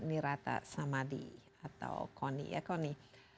nirata samadi atau kony